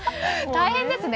大変ですね。